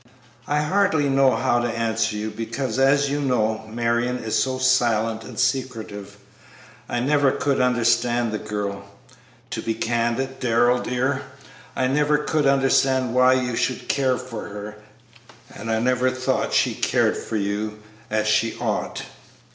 "I hardly know how to answer you, because, as you know, Marion is so silent and secretive. I never could understand the girl. To be candid, Darrell dear, I never could understand why you should care for her, and I never thought she cared for you as she ought."